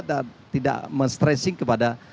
dan tidak men stressing kepada